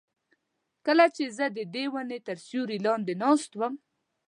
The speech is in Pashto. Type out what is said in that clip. کله چې زه ددې ونې تر سیوري لاندې ناست وم.